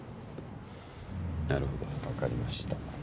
なるほど分かりました。